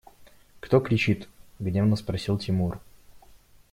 – Кто кричит? – гневно спросил Тимур.